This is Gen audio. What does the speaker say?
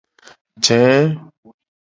Je.